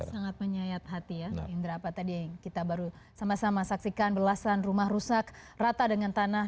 sangat menyayat hati ya indra apa tadi yang kita baru sama sama saksikan belasan rumah rusak rata dengan tanah